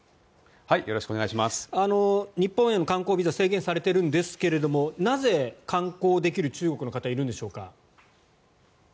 日本への観光ビザ制限されているんですがなぜ、観光できる中国の方がいらっしゃるのでしょうか。